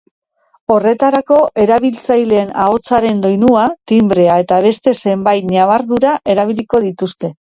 Horretarako, erabiltzaileen ahotsaren doinua, tinbrea eta beste zenbait ñabardura erabiliko dituzte.